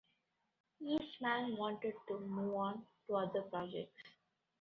Eastman wanted to move on to other projects.